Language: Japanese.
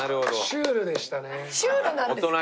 シュールなんですか？